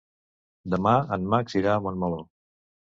Demà en Max irà a Montmeló.